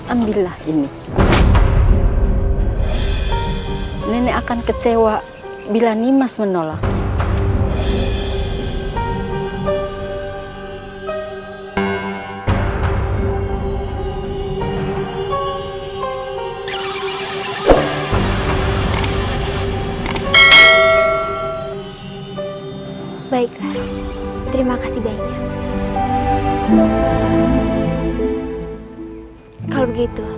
ampun gusti prabu